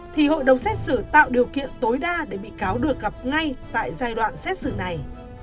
thì hội đồng xét xử tạo điều kiện tối đa để bị cáo được gặp ngay tại giai đoạn xét xử này